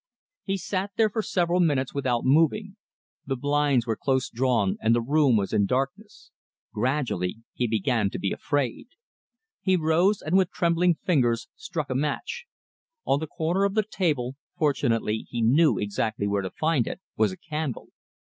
He sat there for several minutes without moving. The blinds were close drawn and the room was in darkness. Gradually he began to be afraid. He rose, and with trembling fingers struck a match. On the corner of the table fortunately he knew exactly where to find it was a candle.